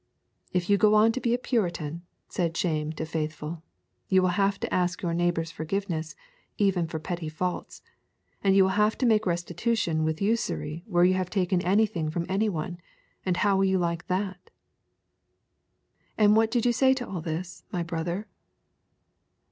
If you go on to be a Puritan, said Shame to Faithful, you will have to ask your neighbour's forgiveness even for petty faults, and you will have to make restitution with usury where you have taken anything from any one, and how will you like that? And what did you say to all this, my brother?